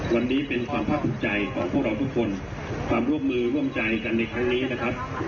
วันนี้เป็นความภาคภูมิใจของพวกเราทุกคนความร่วมมือร่วมใจกันในครั้งนี้นะครับ